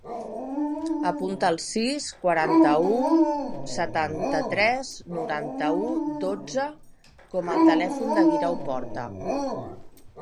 Apunta el sis, quaranta-u, setanta-tres, noranta-u, dotze com a telèfon del Guerau Porta.